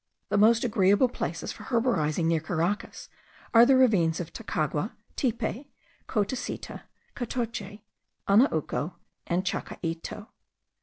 The most agreeable places for herborizing near Caracas are the ravines of Tacagua, Tipe, Cotecita, Catoche, Anauco, and Chacaito.)